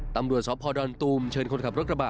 ตำรวจสพดอนตูมเชิญคนขับรถกระบะ